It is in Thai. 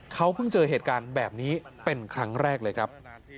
เขาเพิ่งเจอเหตุการณ์แบบนี้เป็นครั้งแรกเลยครับ